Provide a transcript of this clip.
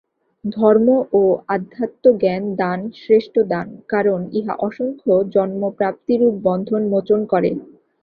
ধর্ম ও অধ্যাত্মজ্ঞান-দান শ্রেষ্ঠ দান, কারণ ইহা অসংখ্য জন্মপ্রাপ্তি-রূপ বন্ধন মোচন করে।